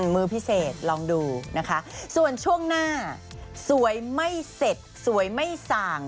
มือพิเศษลองดูนะคะส่วนช่วงหน้าสวยไม่เสร็จสวยไม่ส่าง